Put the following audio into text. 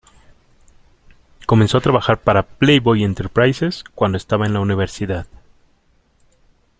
Comenzó a trabajar para Playboy Enterprises cuando estaba en la universidad.